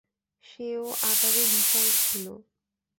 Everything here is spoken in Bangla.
সে-ও আকারে বিশাল ছিল।